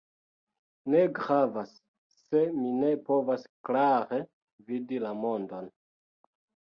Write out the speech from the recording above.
Ne gravas se mi ne povas klare vidi la mondon.